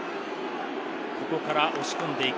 ここから押し込んでいく。